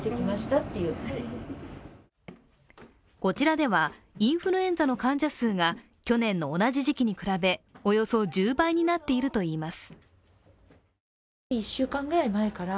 こちらではインフルエンザの患者数が去年の同じ時期に比べ、およそ１０倍になっているといいます。